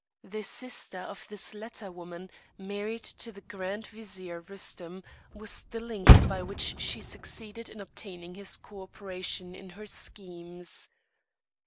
The sister of this latter woman, married to the Grand Vizier Rustem, was the link by which she succeeded in obtaining his co operation in her schemes.